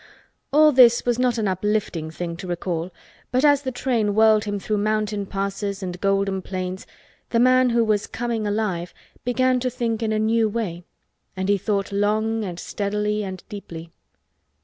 All this was not an uplifting thing to recall, but as the train whirled him through mountain passes and golden plains the man who was "coming alive" began to think in a new way and he thought long and steadily and deeply.